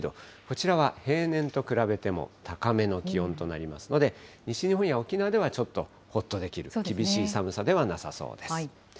こちらは平年と比べても高めの気温となりますので、西日本や沖縄ではちょっとほっとできる厳しい寒さではなさそうです。